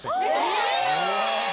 え！